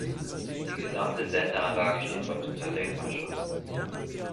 Die gesamte Sendeanlage steht heute unter Denkmalschutz.